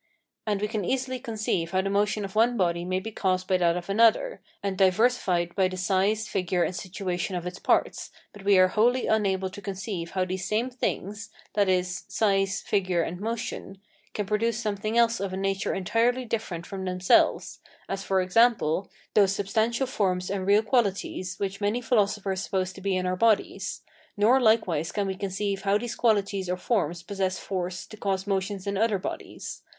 And we can easily conceive how the motion of one body may be caused by that of another, and diversified by the size, figure, and situation of its parts, but we are wholly unable to conceive how these same things (viz., size, figure, and motion), can produce something else of a nature entirely different from themselves, as, for example, those substantial forms and real qualities which many philosophers suppose to be in bodies; nor likewise can we conceive how these qualities or forms possess force to cause motions in other bodies.